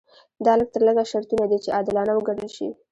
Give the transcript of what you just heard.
دا لږ تر لږه شرطونه دي چې عادلانه وګڼل شي.